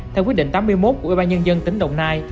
theo quyết định tám mươi một của ủy ban nhân dân tỉnh đồng nai